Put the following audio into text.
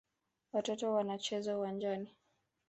Watoto wanacheza uwanjani.